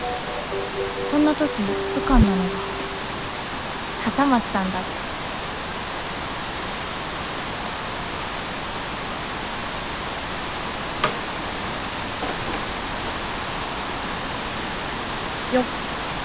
そんな時浮かんだのが笠松さんだったよっ！